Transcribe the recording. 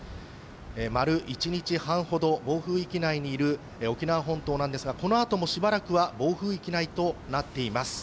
丸１日半ほど暴風域内にいる沖縄本島なんですがこのあともしばらくは暴風域内となっています。